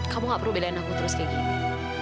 kamu nggak perlu bilang aku terus kayak gini